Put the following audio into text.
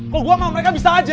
kalau gue mau mereka bisa aja